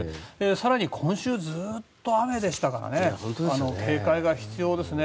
更に、今週ずっと雨でしたから警戒が必要ですね。